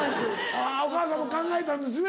お母さんも考えたんですね。